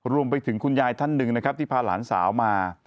คุณยายท่านหนึ่งนะครับที่พาหลานสาวมา